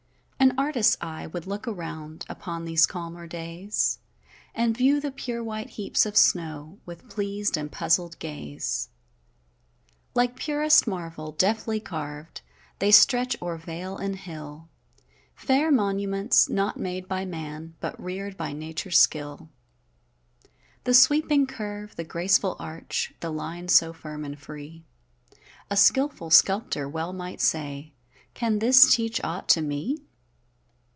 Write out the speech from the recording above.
An artist's eye would look around, Upon these calmer days, And view the pure white heaps of snow, With pleas'd and puzzl'd gaze. Like purest marble, deftly carv'd, They stretch o'er vale and hill, Fair monuments, not made by man, But rear'd by nature's skill. The sweeping curve, the graceful arch, The line so firm and free; A skilful sculptor well might say: "Can this teach aught to me?"